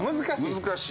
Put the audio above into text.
難しい。